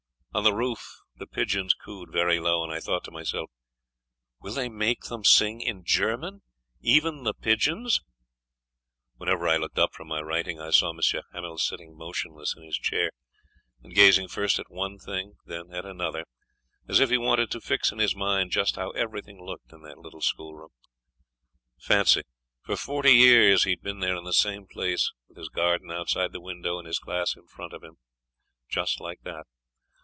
On the roof the pigeons cooed very low, and I thought to myself: "Will they make them sing in German, even the pigeons?" Whenever I looked up from my writing I saw M. Hamel sitting motionless in his chair and gazing first at one thing, then at another, as if he wanted to fix in his mind just how everything looked in that little schoolroom. Fancy! For forty years he had been there in the same place, with his garden outside the window and his class in front of him, just like that.